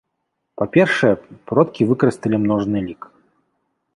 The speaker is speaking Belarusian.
Па-першае, продкі выкарысталі множны лік.